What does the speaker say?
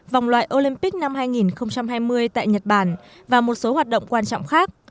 vòng loại olympic năm hai nghìn hai mươi tại nhật bản và một số hoạt động quan trọng khác